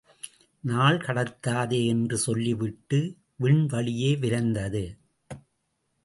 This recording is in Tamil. நாள் கடத்தாதே என்று சொல்லிவிட்டு விண் வழியே விரைந்தது.